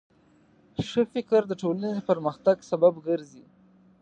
ښه فکر د ټولنې د پرمختګ سبب ګرځي.